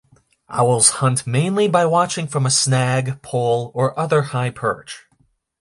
Owls hunt mainly by watching from a snag, pole or other high perch.